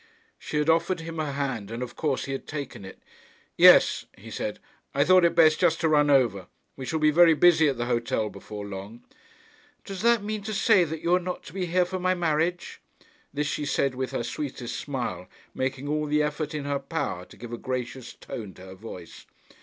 She had offered him her hand, and of course he had taken it. 'Yes,' he said, 'I thought it best just to run over. We shall be very busy at the hotel before long.' 'Does that mean to say that you are not to be here for my marriage?' This she said with her sweetest smile, making all the effort in her power to give a gracious tone to her voice.